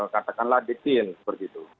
katakanlah detail seperti itu